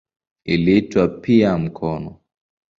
Iliitwa pia "mkono".